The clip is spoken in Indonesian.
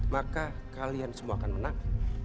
maka kalian semua akan menang